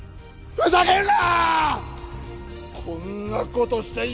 ふざけるな？